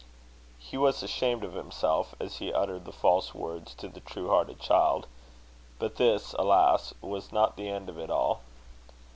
He was ashamed of himself, as he uttered the false words to the true hearted child. But this, alas! was not the end of it all.